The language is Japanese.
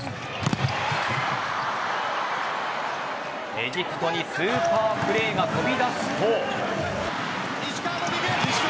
エジプトにスーパープレーが飛び出すと。